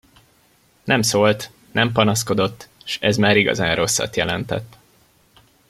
Nem szólt, nem panaszkodott, s ez már igazán rosszat jelentett.